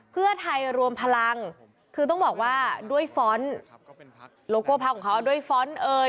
เพื่อไทยรวมพลังคือต้องบอกว่าด้วยฟ้อนต์โลโก้พังของเขาด้วยฟ้อนต์เอ่ย